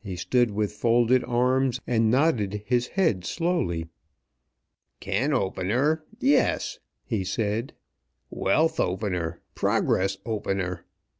He stood with folded arms, and nodded his head slowly. "Can opener, yes!" he said. "Wealth opener; progress opener!"